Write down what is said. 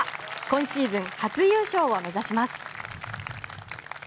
今シーズン初優勝を目指します。